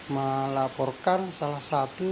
melaporkan salah satu